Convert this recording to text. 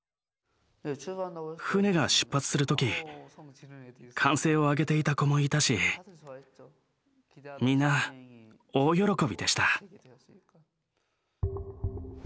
船が出発する時歓声を上げていた子もいたしみんな大喜びでした。